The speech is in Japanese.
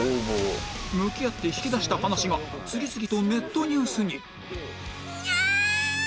向き合って引き出した話が次々とネットニュースに